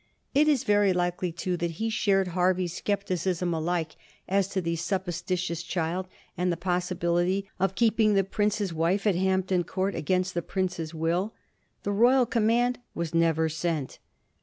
It is very likely, too, that he shared Hervey's scepticism alike as to the sup posititious child and the possibility of keeping the prince's wife at Hampton Court against the prince's will. The Royal command was never sent.